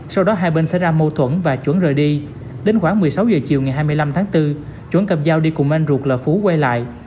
sau đó hai bên xảy ra mâu thuẫn và chuẩn rời đi đến khoảng một mươi sáu h chiều ngày hai mươi năm tháng bốn chuẩn cầm dao đi cùng anh ruột là phú quay lại